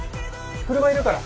車いるから。